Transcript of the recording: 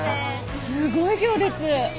すごい行列！